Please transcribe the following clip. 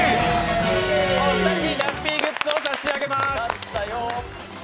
お二人にラッピーグッズを差し上げます。